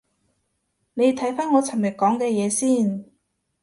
你睇返我尋日講嘅嘢先